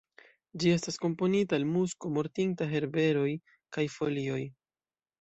Ĝi estas komponita el musko, mortinta herberoj kaj folioj.